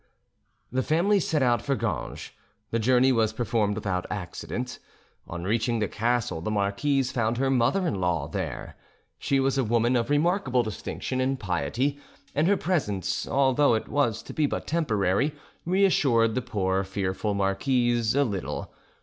The family set out for Ganges; the journey was performed without accident. On reaching the castle, the marquise found her mother in law there; she was a woman of remarkable distinction and piety, and her presence, although it was to be but temporary, reassured the poor fearful marquise a little.